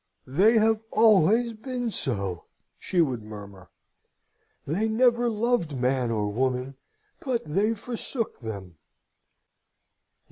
"They have always been so," she would murmur: "they never loved man or woman but they forsook them.